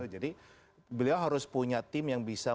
jadi beliau harus punya tim yang bisa